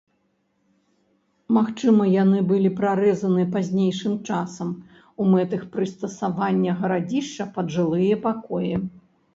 Магчыма, яны былі прарэзаны пазнейшым часам у мэтах прыстасавання гарышча пад жылыя пакоі.